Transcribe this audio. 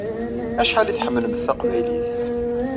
Acḥal i tḥemmlemt taqbaylit?